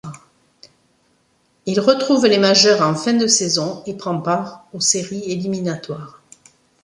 Il retrouve les Majeures en fin de saison et prend part aux séries éliminatoires.